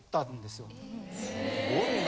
すごいな。